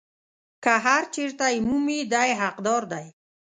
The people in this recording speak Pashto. چې هر چېرته یې مومي دی یې حقدار دی.